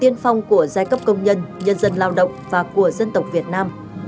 công nhân nhân dân lao động và của dân tộc việt nam